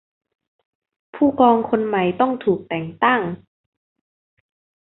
ผู้กองคนใหม่ต้องถูกแต่งตั้ง